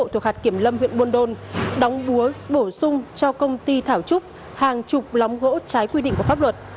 huyện buôn đôn đóng búa bổ sung cho công ty thảo trúc hàng chục lóng gỗ trái quy định của pháp luật